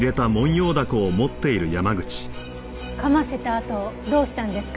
噛ませたあとどうしたんですか？